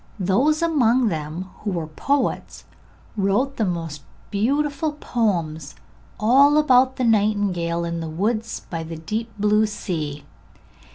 Those among them who were poets wrote the most beautiful poems, all about the nightingale in the woods by the deep blue sea.